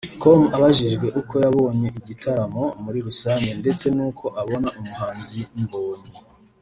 com abajijwe uko yabonye igitaramo muri rusange ndetse n’uko abona umuhanzi Mbonyi